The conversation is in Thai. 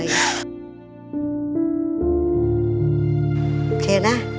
โอเค